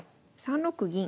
３六銀。